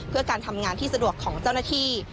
เพื่อการทำงานที่สะดวกของเจ้าหน้าที่